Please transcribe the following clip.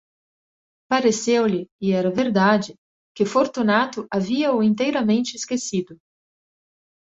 Pareceu-lhe, e era verdade, que Fortunato havia-o inteiramente esquecido.